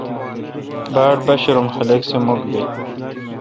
باڑ با شرم خلق سہ مکھ بیل۔